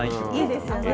いいですよね。